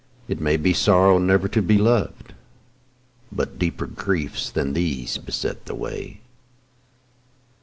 It may be sorrow never to be loved, But deeper griefs than these beset the way.